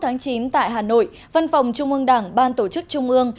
tháng hai mươi một tháng chín tại hà nội văn phòng trung ương đảng ban tổ chức trung ương